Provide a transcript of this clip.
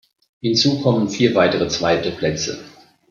Hinzu kommen vier weitere zweite Plätze.